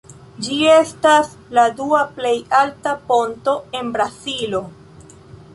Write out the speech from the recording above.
Ĝi estas la dua plej alta ponto en Brazilo.